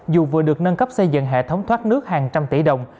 dù vừa được nâng cấp xây dựng hệ thống thoát nước hàng trăm tỷ đồng